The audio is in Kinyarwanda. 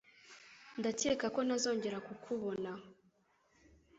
Ndakeka ko ntazongera kukubona